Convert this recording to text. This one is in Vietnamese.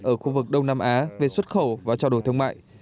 ở khu vực đông nam á về xuất khẩu và trao đổi thương mại